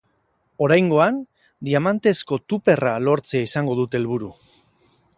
Oraingoan, diamantezko tuperra lortzea izango dute helburu.